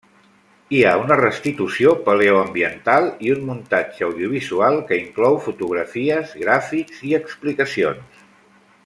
Hi ha una restitució paleoambiental i un muntatge audiovisual, que inclou fotografies, gràfics i explicacions.